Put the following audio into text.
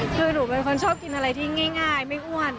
คือหนูเป็นคนชอบกินอะไรที่ง่ายไม่อ้วน